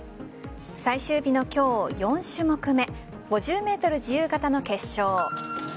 最終日の今日、４種目目５０ｍ自由形の決勝。